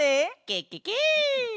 ケケケ！